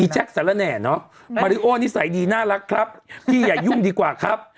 แจ็คสารแหน่เนอะมาริโอนิสัยดีน่ารักครับพี่อย่ายุ่งดีกว่าครับ